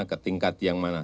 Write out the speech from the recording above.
ketingkat yang mana